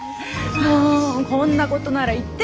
もうこんなことなら言ってよね。